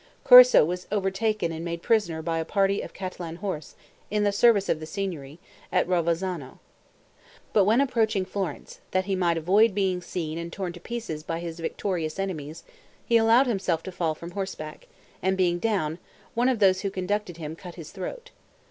Corso was overtaken and made prisoner by a party of Catalan horse, in the service of the Signory, at Rovezzano. But when approaching Florence, that he might avoid being seen and torn to pieces by his victorious enemies, he allowed himself to fall from horseback, and being down, one of those who conducted him cut his throat.